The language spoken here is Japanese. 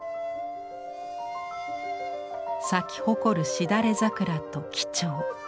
咲き誇るしだれ桜と几帳。